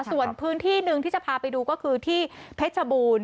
ส่วนพื้นที่หนึ่งที่จะพาไปดูก็คือที่เพชรบูรณ์